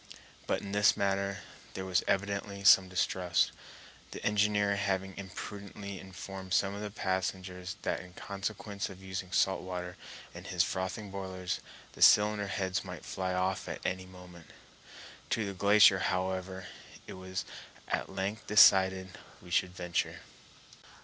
But in this matter there was evidently some distrust, the engineer having imprudently informed some of the passengers that in consequence of using salt water in his frothing boilers the cylinder heads might fly off at any moment. To the glacier, however, it was at length decided we should venture.